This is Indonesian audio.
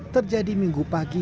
terjadi minggu pagi